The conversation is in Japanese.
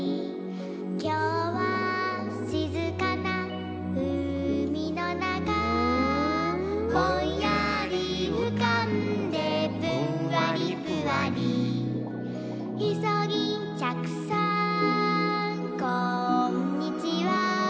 「きょうはしずかなうみのなか」「ぼんやりうかんでぷんわりぷわり」「いそぎんちゃくさんこんにちは！」